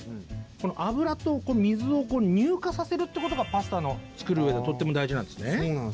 油と水を乳化させるってことがパスタ作るうえでとっても大事なんですね。